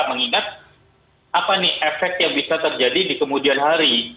mengingat apa nih efek yang bisa terjadi di kemudian hari